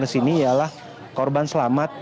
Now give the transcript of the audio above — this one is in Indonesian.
di sini ialah korban selamat